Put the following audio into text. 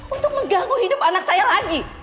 untuk mengganggu hidup anak saya lagi